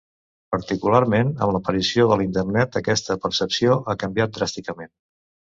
Particularment amb l'aparició de la Internet, aquesta percepció ha canviat dràsticament.